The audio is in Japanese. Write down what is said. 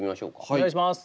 お願いします。